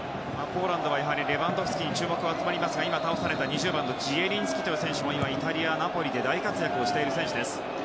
ポーランドはレバンドフスキに注目が集まりますが今、倒された２０番のジエリンスキという選手も今、イタリアのナポリで大活躍をしている選手。